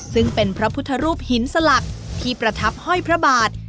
ซึ่งเป็นพระพุทธรูปหินสลักที่ประทับห้อยพระบาท